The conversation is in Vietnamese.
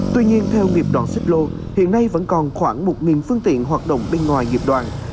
tuy nhiên theo nghiệp đoàn xích lô hiện nay vẫn còn khoảng một phương tiện hoạt động bên ngoài nghiệp đoàn